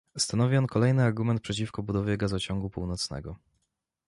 Stanowi on kolejny argument przeciwko budowie gazociągu północnego